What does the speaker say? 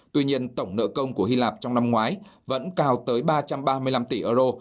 tuy nhiên tổng nợ công của hy lạp trong năm ngoái vẫn cao tới ba trăm ba mươi năm tỷ euro